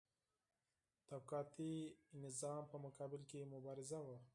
طبقاتي سیستم په مقابل کې مبارزه وه.